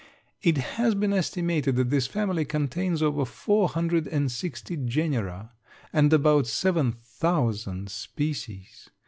It has been estimated that this family contains over four hundred and sixty genera and about seven thousand species.